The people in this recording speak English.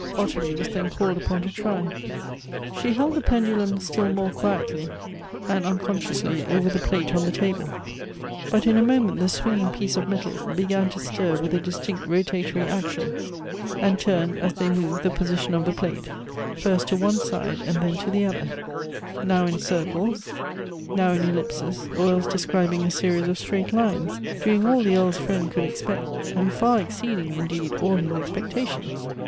Ottilie was then called upon to try. She held the pendulum still more quietly and unconsciously over the plate on the table. But in a moment the swinging piece of metal began to stir with a distinct rotatory action, and turned as they moved the position of the plate, first to one side and then to the other ; now in circles, now in ellij)aes ; or else describing a series of straight lines ; doing all the Earl's friend could expect, and far exceeding, indeed, all his expectations.